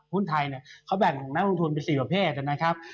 หุ้นไทยเนี่ยเขาแบ่งนักลงทุนไป๔ประเภทนะครับ